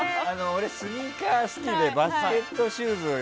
俺、スニーカー好きでバスケットシューズを